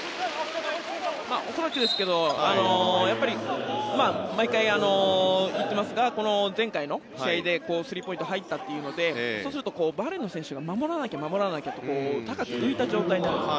恐らくですけど毎回言ってますが前回の試合でスリーポイント入ったというのでそうするとバーレーンの選手が守らなきゃ守らなきゃと高く浮いた状態になるんです。